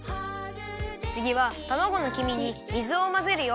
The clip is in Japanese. つぎはたまごの黄身に水をまぜるよ。